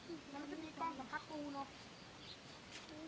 อุ๊ยถูกก้องกับอุรินถูกกับบุหรี่